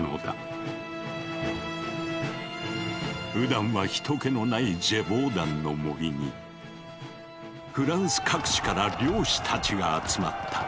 ふだんは人けのないジェヴォーダンの森にフランス各地から猟師たちが集まった。